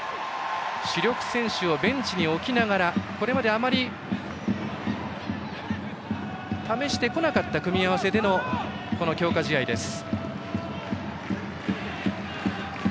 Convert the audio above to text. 主力選手をベンチに置きながらこれまで、あまり試してこなかった組み合わせでの強化試合です。